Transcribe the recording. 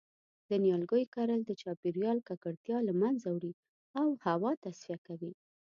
د نیالګیو کرل د چاپیریال ککړتیا له منځه وړی او هوا تصفیه کوی